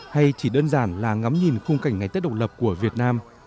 hay chỉ đơn giản là ngắm nhìn khung cảnh ngày tết độc lập của việt nam